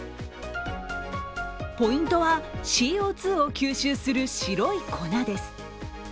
ポイントはＣＯ２を吸収する白い粉です。